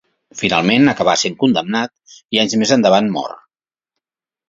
Finalment acaba sent condemnat i anys més endavant mor.